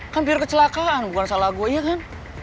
kan piur kecelakaan bukan salah gua iya kan